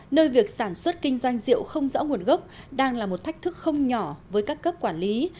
nơi việc sản xuất kinh doanh rượu không rõ nguồn gốc đang là một thách thức không nhỏ với các cấp quản lý